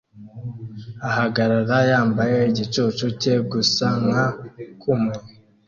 Ahagarara yambaye igicucu cye gusa nka kumwe